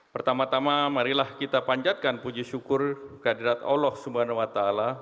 pertama tama marilah kita panjatkan puji syukur kehadirat allah swt